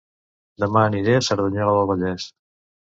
Dema aniré a Cerdanyola del Vallès